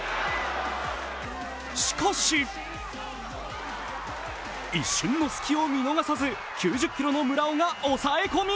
しかし一瞬の隙を見逃さず、９０ｋｇの村尾が押さえ込み。